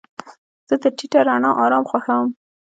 زه د ټیټه رڼا آرام خوښوم.